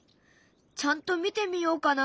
ちゃんと見てみようかな。